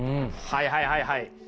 はいはいはいはい。